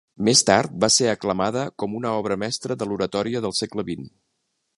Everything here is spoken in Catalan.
Més tard va ser aclamada com una obra mestra de l'oratòria del segle XX.